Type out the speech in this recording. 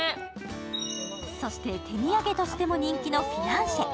そして、手土産としても人気のフィナンシェ。